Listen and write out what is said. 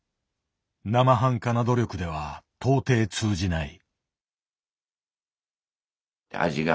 なまはんかな努力では到底通じない。